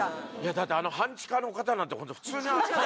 だって半地下の方なんて本当普通に。